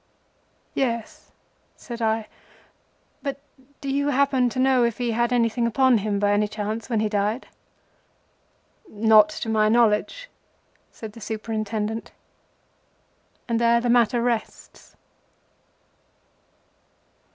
"Yes," said I, "but do you happen to know if he had anything upon him by any chance when he died?" "Not to my knowledge," said the Superintendent. And there the matter rests.